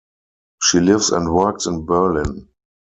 She lives and works in Berlin.